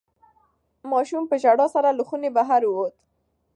ماشوم په ژړا سره له خونې بهر ووت.